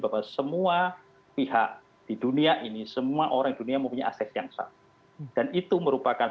bahwa semua pihak di dunia ini semua orang dunia mempunyai aset yang sama dan itu merupakan